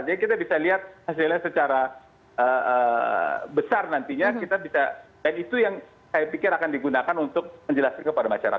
jadi kita bisa lihat hasilnya secara besar nantinya kita bisa dan itu yang saya pikir akan digunakan untuk menjelaskan kepada masyarakat